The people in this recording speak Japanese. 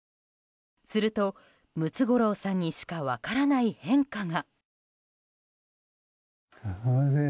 すると、ムツゴロウさんにしか分からない変化が。